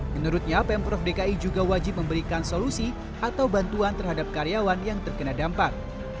menurutnya pemprov dki juga wajib memberikan solusi atau bantuan terhadap karyawan yang terkena dampak